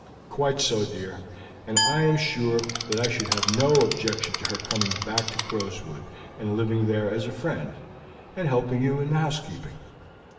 "Quite so, dear; and I am sure that I should have no objection to her coming back to Crowswood, and living there as a friend, and helping you in the housekeeping."